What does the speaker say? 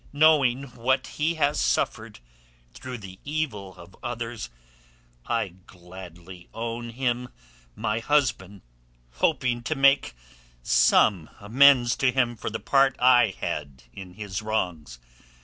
"Knowing what he has suffered through the evil of others, I gladly own him my husband, hoping to make some amends to him for the part I had in his wrongs.